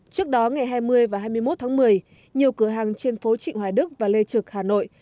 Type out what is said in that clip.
trước đó ngày hai mươi và hai mươi một tháng một mươi nhiều cửa hàng trên phố trịnh hoài đức và lê trực hà nội